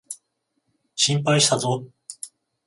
心配したぞ。